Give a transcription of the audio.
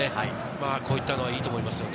こういったのはいいと思いますね。